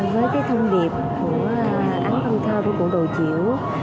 với cái thông điệp của án phân thơ của bộ đội chiểu